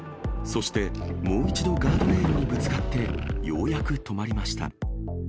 そして、もう一度ガードレールにぶつかって、ようやく止まりました。